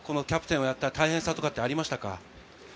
キャプテンをやった大変さとかはありましたか？